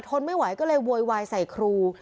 ทนไม่ไหวก็เลยโวยวายใส่ครู